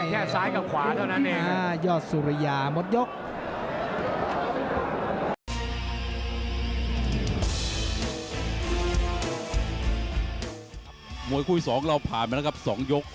โหมยคุยสองเราผ่านไปแล้วกับสองยก